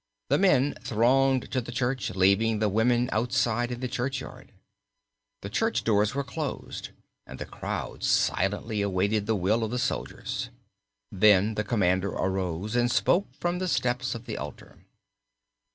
The men thronged to the church leaving the women outside in the church yard. The church doors were closed, and the crowd silently awaited the will of the soldiers. Then the commander arose and spoke from the steps of the altar.